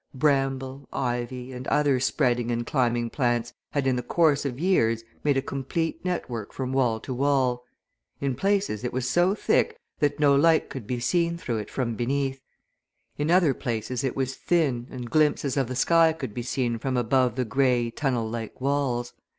Bramble, ivy, and other spreading and climbing plants had, in the course of years, made a complete network from wall to wall. In places it was so thick that no light could be seen through it from beneath; in other places it was thin and glimpses of the sky could be seen from above the grey, tunnel like walls.